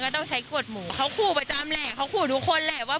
เธอก็ทำในสิ่งที่มันผิดกฎหมายดีกว่า